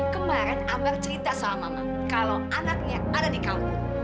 kemaren ambar cerita sama mama kalau anaknya ada di kampung